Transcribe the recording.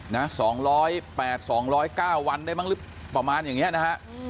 นะ๒๐๘๒๐๙วันได้ประมาณอย่างเนี่ยนะฮะ